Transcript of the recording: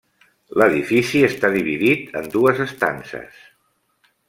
L'edifici està dividit en dues estances.